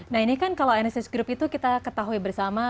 nah ini kan kalau nsis group itu kita ketahui bersama